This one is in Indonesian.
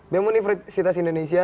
bem universitas indonesia